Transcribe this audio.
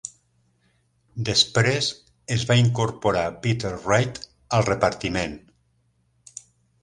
Després es va incorporar Peter Wright al repartiment.